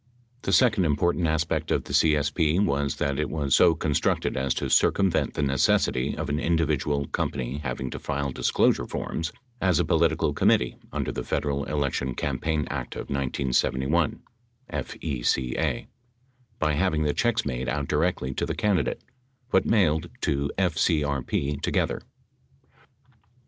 3 The second important aspect of the CSP was that it was so con structed as to circumvent the necessity of an individual company hav ing to file disclosure forms as a political committee under the Federal Election Campaign Act of 1071 (FECA) by having the checks made out directly to the candidate, but mailed to FCRP together.